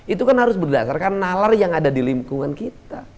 itu kan harus berdasarkan nalar yang ada di lingkungan kita